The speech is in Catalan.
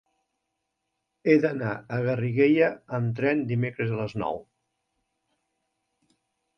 He d'anar a Garriguella amb tren dimecres a les nou.